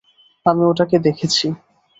আমি ওটাকে দেখেছি।